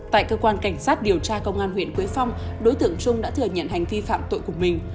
tại cơ quan cảnh sát điều tra công an huyện quế phong đối tượng trung đã thừa nhận hành vi phạm tội của mình